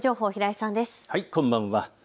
こんばんは。